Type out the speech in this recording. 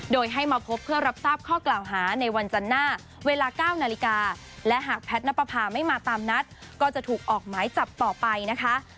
โดยให้มาพบเพื่อรับทราบข้อกล่าวหาในวันจันทร์หน้าเวลา๙นาฬิกาและหากแพทย์นับประพาไม่มาตามนัดก็จะถูกออกหมายจับต่อไปนะคะ